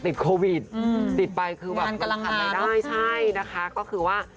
ติดโควิดอืมติดไปคือแบบมันกำลังมาได้ใช่นะคะก็คือว่า